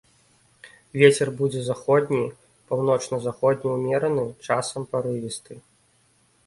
Вецер будзе заходні, паўночна-заходні ўмераны, часам парывісты.